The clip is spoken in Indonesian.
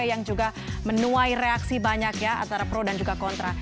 yang juga menuai reaksi banyak ya antara pro dan juga kontra